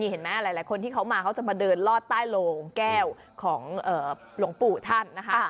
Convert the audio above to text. หลายคนที่เขามาเขาจะมาเดินลอดใต้โลงแก้วของหลวงปู่ท่านนะคะ